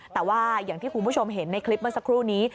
แต่ว่าอย่างที่คุณผู้ชมเห็นในคลิปเมื่อสักครู่นี้